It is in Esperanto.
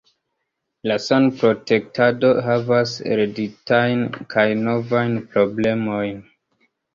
La sanprotektado havas hereditajn kaj novajn problemojn.